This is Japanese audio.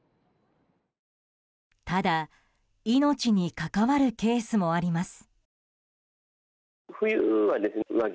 ただ、命に関わるケースもあります。